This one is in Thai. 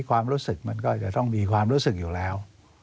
ความรู้สึกมันก็อาจจะต้องมีความรู้สึกอยู่แล้ว